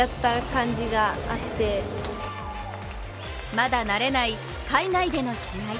まだ慣れない海外での試合。